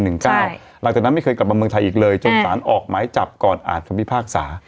หลังจากนั้นไม่เคยกลับมาเมืองไทยอีกเลยจนสารออกหมายจับก่อนอ่านคำพิพากษา